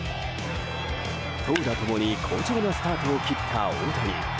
投打共に好調なスタートを切った大谷。